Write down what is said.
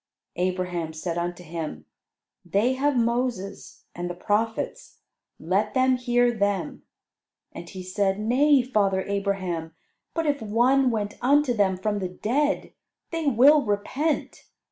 Abraham said unto him, "They have Moses and the prophets; let them hear them." And he said, "Nay, father Abraham: but if one went unto them from the dead, they will repent."